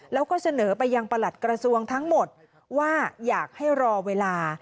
แล้วก็เสนอไปยังประหลัดกระทรวงทั้งหมดว่าอยากให้รอเวลา